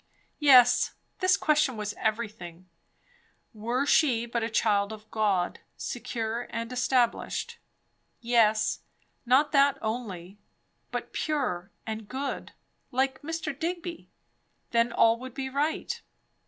Yes, this question was everything. Were she but a child of God, secure and established, yes, not that only, but pure and good, like Mr. Digby; then, all would be right.